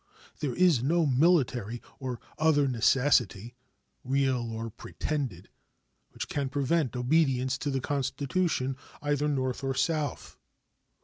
There is no military or other necessity, real or pretended, which can prevent obedience to the Constitution, either North or South.